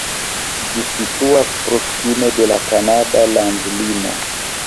Ĝi situas proksime de la kanada landlimo.